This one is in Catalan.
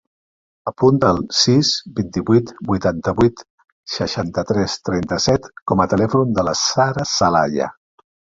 Apunta el sis, vint-i-vuit, vuitanta-vuit, seixanta-tres, trenta-set com a telèfon de la Sara Celaya.